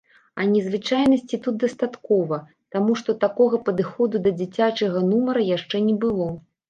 А незвычайнасці тут дастаткова, таму што такога падыходу да дзіцячага нумара яшчэ не было.